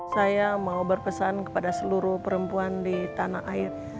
saya mau berpesan kepada seluruh perempuan di tanah air